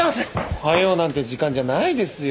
おはようなんて時間じゃないですよ。